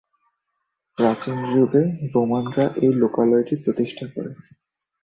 প্রাচীন যুগে রোমানরা এই লোকালয়টি প্রতিষ্ঠান করে।